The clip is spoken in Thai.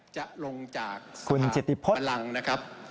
จะลงจากสถานการณ์ประหลังนะครับ